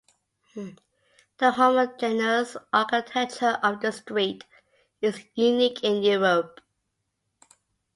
The homogeneous architecture of the street is unique in Europe.